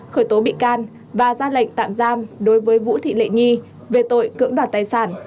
khởi tố bị can và ra lệnh tạm giam đối với vũ thị lệ nhi về tội cưỡng đoạt tài sản